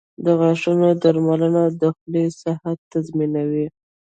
• د غاښونو درملنه د خولې صحت تضمینوي.